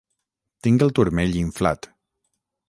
Tinc el turmell inflat.